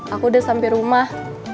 aku udah sampai rumah